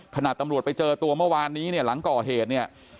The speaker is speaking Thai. ตำรวจไปเจอตัวเมื่อวานนี้เนี่ยหลังก่อเหตุเนี่ย